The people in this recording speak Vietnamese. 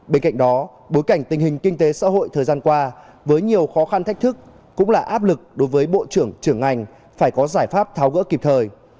bên cạnh đó bối cảnh tình hình kinh tế xã hội thời gian qua với nhiều khó khăn thách thức cũng là áp lực đối với bộ trưởng trưởng ngành phải có giải pháp tháo gỡ kịp thời